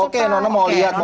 kita berhitung di sini nono